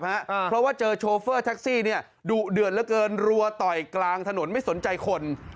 เพราะเจอโชว์ฟอร์ตแท็กซี่รั่วต่อยกลางถนกไม่สนใจคน